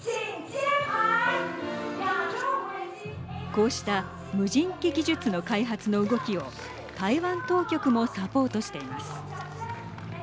こうした無人機技術の開発の動きを台湾当局もサポートしています。